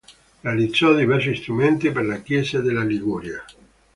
Realizzò diversi strumenti per le chiese della Liguria.